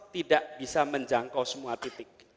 tidak bisa menjangkau semua titik